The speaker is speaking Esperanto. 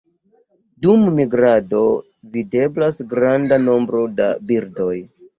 Dum migrado videblas granda nombro da birdoj.